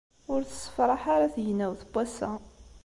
Ur tessefṛaḥ ara tegnawt n wass-a